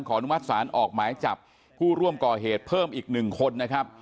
อนุมัติศาลออกหมายจับผู้ร่วมก่อเหตุเพิ่มอีก๑คนนะครับ